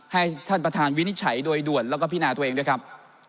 ให้ท่านประธานวินิจฉัยโดยด่วนแล้วก็พินาตัวเองด้วยครับ